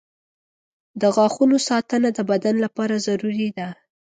• د غاښونو ساتنه د بدن لپاره ضروري ده.